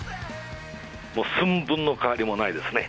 もう寸分の変わりもないですね。